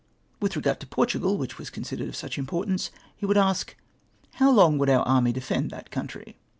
With regard to Portugal, which was considered of such importance, he would ask. How long would our army defend that country